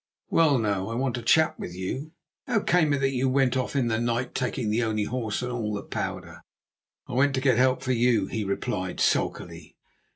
Well, now, I want a chat with you. How came it that you went off in the night, taking the only horse and all the powder?" "I went to get help for you," he replied sulkily.